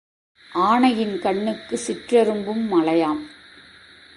ஆனையின் கண்ணுக்குச் சிற்றெறும்பும் மலையாம்.